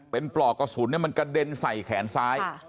เป็นปลอกกระสุนมันกระเด็นใส่แขนซ้าย